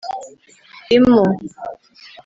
impu